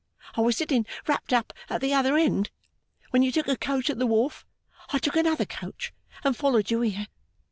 I was sitting wrapped up at the other end. When you took a coach at the wharf, I took another coach and followed you here.